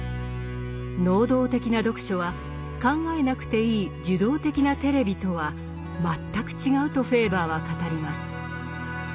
能動的な読書は考えなくていい受動的なテレビとは全く違うとフェーバーは語ります。